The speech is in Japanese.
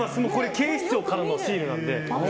警視庁からのシールなので。